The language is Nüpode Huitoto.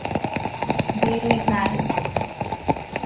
birui jaide